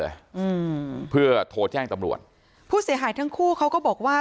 อืมเพื่อโทรแจ้งตำรวจผู้เสียหายทั้งคู่เขาก็บอกว่า